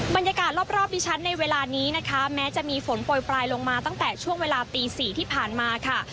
บรรยากาศรอบดิฉันในเวลานี้นะคะแม้จะมีฝนโปรยปลายลงมาตั้งแต่ช่วงเวลาตี๔ที่ผ่านมาค่ะ